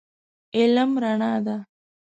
علم رڼا ده.